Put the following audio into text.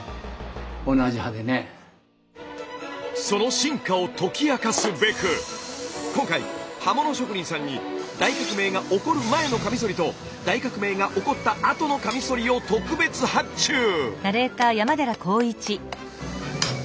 その進化を解き明かすべく今回刃物職人さんに大革命が起こる前のカミソリと大革命が起こったあとのカミソリを特別発注！